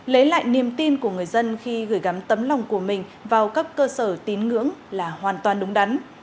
lấy lại niềm tin của người dân khi gửi gắm tấm lòng của mình vào các cơ sở tín ngưỡng là hoàn toàn đúng đắn